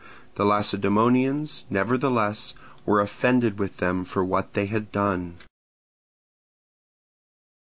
The Lacedaemonians, nevertheless, were offended with them for what they had done.